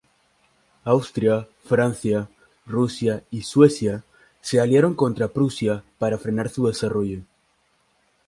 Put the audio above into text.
Austria, Francia, Rusia y Suecia se aliaron contra Prusia para frenar su desarrollo.